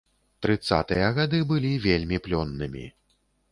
Трыццатыя гады былі вельмі плённымі.